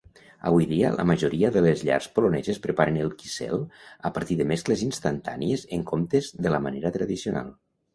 Avui dia, la majoria de les llars poloneses preparen "kissel" a partir de mescles instantànies en comptes de la manera tradicional.